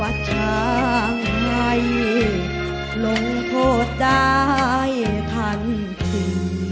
ว่าจะให้ลงโทษได้ทันที